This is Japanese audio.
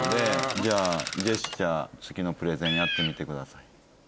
じゃあジェスチャー付きのプレゼンやってみてください。